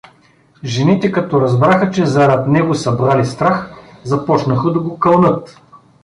Жените, като разбраха, че зарад него са брали страх, започнаха да го кълнат.